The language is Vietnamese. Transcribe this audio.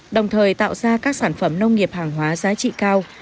đồng thời tạo ra các sản phẩm nông nghiệp hàng hóa giá trị cao